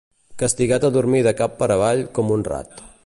Castigat a dormir de cap per avall com un rat.